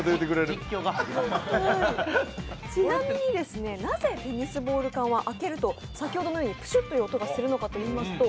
ちなみに、なぜテニスボール缶は開けると先ほどのようにぷしゅっという音がするのかというと、